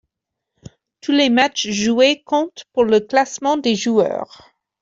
Tous les matches joués comptent pour le classement des joueurs.